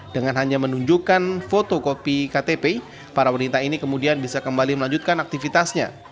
dengan hanya menunjukkan fotokopi ktp para wanita ini kemudian bisa kembali melanjutkan aktivitasnya